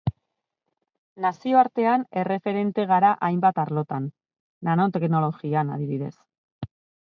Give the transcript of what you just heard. Nazioartean erreferente gara hainbat arlotan, nanoteknologian, adibidez.